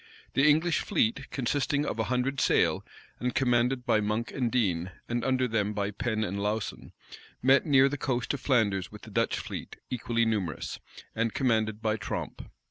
The English fleet, consisting of a hundred sail, and commanded by Monk and Dean, and under them by Pen and Lauson, met near the coast of Flanders with the Dutch fleet equally numerous, and commanded by Tromp.